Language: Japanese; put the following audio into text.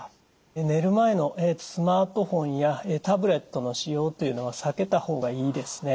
寝る前のスマートフォンやタブレットの使用というのは避けた方がいいですね。